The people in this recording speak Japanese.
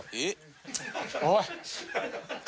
「おい」。